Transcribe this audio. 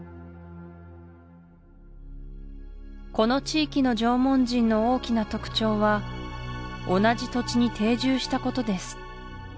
この地域の縄文人の大きな特徴は同じ土地に定住したことです